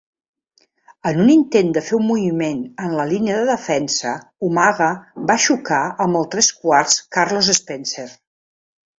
En un intent de fer un moviment en la línia de defensa, Umaga va xocar amb el tresquarts Carlos Spencer.